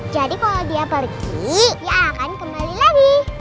jadi kalau dia pergi dia akan kembali lagi